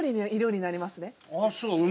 ああそう。